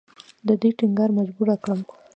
د دوی ټینګار مجبوره کړم.